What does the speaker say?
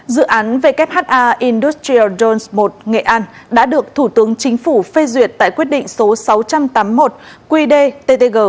dự án vhha industrial jones một nghệ an đã được thủ tướng chính phủ phê duyệt tại quyết định số sáu trăm tám mươi một qd ttg